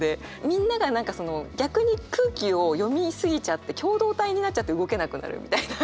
みんなが逆に空気を読み過ぎちゃって共同体になっちゃって動けなくなるみたいな。